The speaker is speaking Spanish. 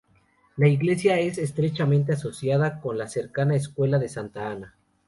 La iglesia está estrechamente asociada con la cercana escuela de Santa Ana.